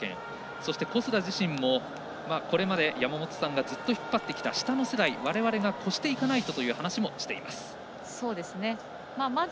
そして小須田自身もこれまで山本さんが引っ張ってきた下の世代、われわれが越していかないとという話も話もしています。